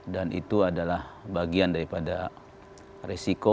dan itu adalah bagian daripada risiko